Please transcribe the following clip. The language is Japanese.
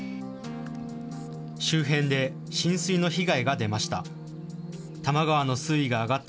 周辺で浸水の被害が出ました。